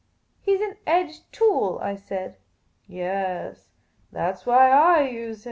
" He 's an edged tool," I said. Yaas ; that 's why I use him."